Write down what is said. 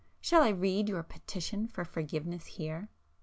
Shall I read your petition for forgiveness here?"